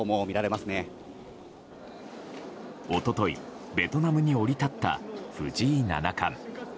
一昨日、ベトナムに降り立った藤井七冠。